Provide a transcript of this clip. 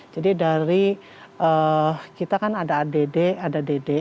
jadi dari kita kan ada add ada dd